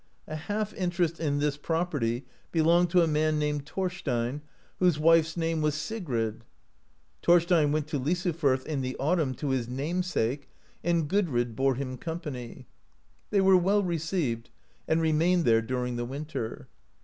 A half interest in this property belonged to a man named Thorstein, whose wife's name was Sigrid. Thorstein went to Lysufirth, in the autumn, to his namesake, and Gudrid bore him company. They were well received, and remained there during the winter.